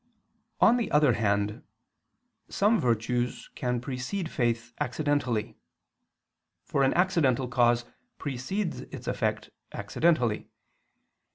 On the other hand, some virtues can precede faith accidentally. For an accidental cause precedes its effect accidentally.